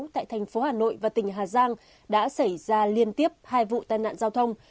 tại thành phố hà nội và tỉnh hà giang đã xảy ra liên tiếp hai vụ tai nạn giao thông